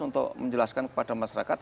untuk menjelaskan kepada masyarakat